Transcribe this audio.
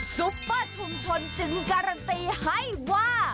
ซุปเปอร์ชุมชนจึงการันตีให้ว่า